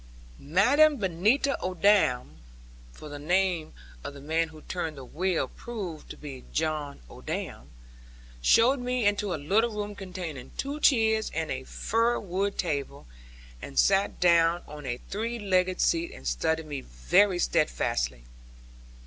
Madam Benita Odam for the name of the man who turned the wheel proved to be John Odam showed me into a little room containing two chairs and a fir wood table, and sat down on a three legged seat and studied me very steadfastly.